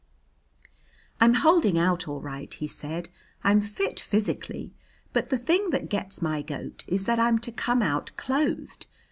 "I'm holding out all right," he said. "I'm fit physically. But the thing that gets my goat is that I'm to come out clothed.